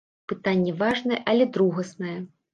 Пытанне важнае, але другаснае.